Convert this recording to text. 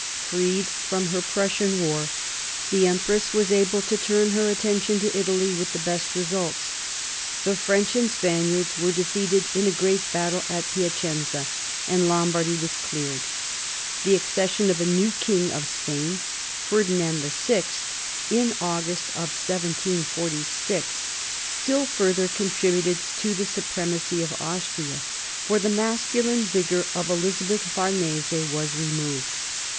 Freed from her Prussian war, the empress was able to turn her attention to Italy with the best results. The French and Spaniards were defeated in a great battle at Piacenza, and Lombardy was cleared. The accession of a new King of Spain, Ferdinand VI. (in August 1746), still further contributed to the supremacy of Austria, for the masculine vigour of Elizabeth Farnese was removed.